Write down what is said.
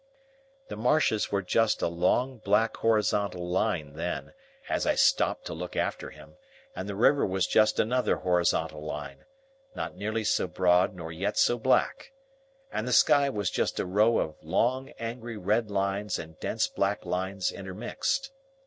The marshes were just a long black horizontal line then, as I stopped to look after him; and the river was just another horizontal line, not nearly so broad nor yet so black; and the sky was just a row of long angry red lines and dense black lines intermixed.